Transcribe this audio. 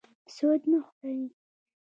سود مه خورئ